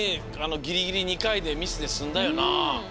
ギリギリ２かいでミスですんだよな。